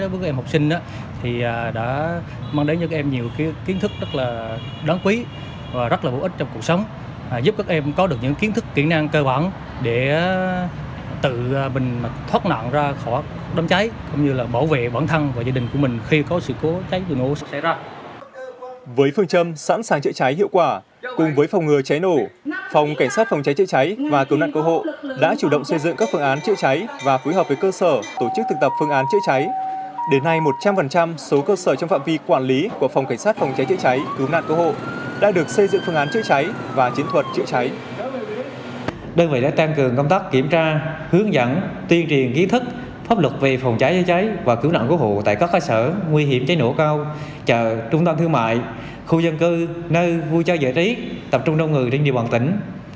đơn vị đã tăng cường công tác kiểm tra hướng dẫn tuyên truyền kỹ thức pháp luật về phòng cháy chữa cháy và cứu nạn cơ hộ tại các khai sở nguy hiểm cháy nổ cao chợ trung tâm thương mại khu dân cư nơi vui chơi giải trí tập trung đông người trên địa bàn tỉnh